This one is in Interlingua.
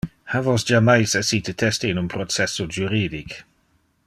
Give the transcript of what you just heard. Ha vos jammais essite teste in un processo juridic?